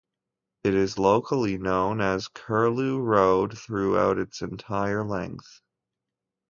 It is locally known as Curlew Road throughout its entire length.